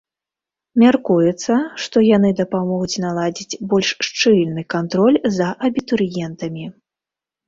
Мяркуецца, што яны дапамогуць наладзіць больш шчыльны кантроль за абітурыентамі.